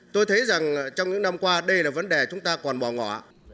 tôi thấy rằng trong những năm qua đây là vấn đề chúng ta còn bỏ ngỏ